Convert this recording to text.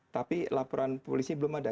tapi laporan polisi belum ada